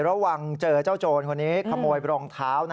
ระวังเจอเจ้าโจรคนนี้ขโมยรองเท้า